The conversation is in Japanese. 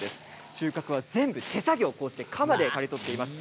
収穫は全部手作業でかまで刈り取っています。